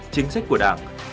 chính sách của đảng